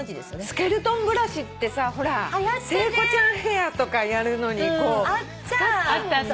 スケルトンブラシってさほら聖子ちゃんヘアとかやるのに使ったもんね。